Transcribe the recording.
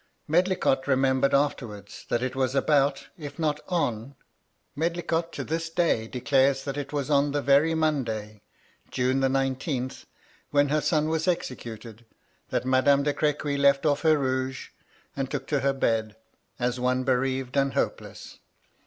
Medlicott remembered afterwards that it was about, if not on — Medlicott to this day declares that it was on the very Monday, June the nineteenth, when her son was exe cuted, that Madame de Crequy left off her rouge, and took to her bed, as one bereaved and hopeless.